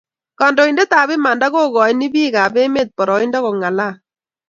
kandoinatet ab imanda ko koini bik ab emet boroindo ko ng'alal